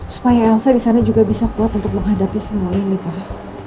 supaya elsa di sana juga bisa kuat untuk menghadapi semua ini pak